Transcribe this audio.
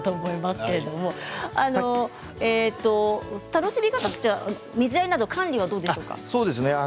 楽しみ方としては水やりなど管理はどうですか。